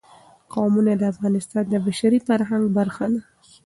قومونه د افغانستان د بشري فرهنګ برخه ده.